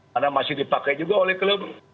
karena masih dipakai juga oleh klub